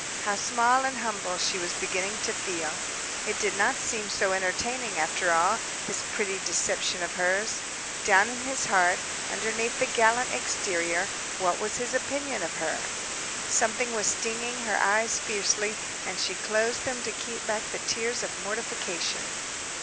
How small and humble she was beginning to feel. It did not seem so entertaining, after all, this pretty deception of hers. Down in his heart, underneath the gallant exterior, what was his opinion of her? Something was stinging her eyes fiercely, and she closed them to keep back the tears of mortification.